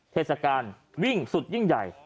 เทศกาลวิ่งสุดยิ่งใหญ่